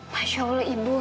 masya allah ibu